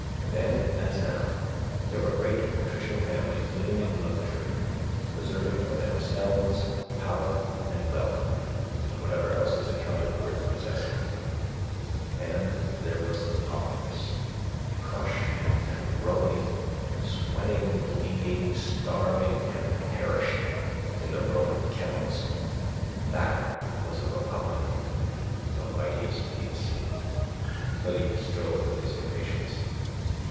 Then, as now, there were great patrician families in luxury, preserving for themselves power and wealth, and what else is accounted worth possessing; and there was the populace crushed and groaning, sweating, bleeding, starving, and perishing in the Roman kennels. That was a republic; the mightiest we have seen." Philippe strove with his impatience.